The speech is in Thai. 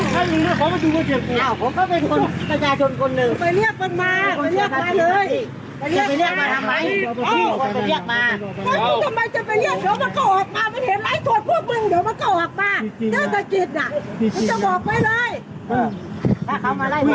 วันนี้เรามีบทสรุปเรื่องนี้มาให้ดูครับ